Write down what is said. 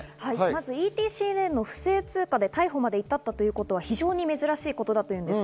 ＥＴＣレーンの不正通過で逮捕まで至ったということは非常に珍しいというのです。